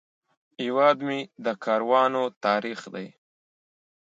هیواد مې د کاروانو تاریخ دی